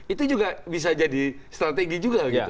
itu juga bisa jadi strategi juga gitu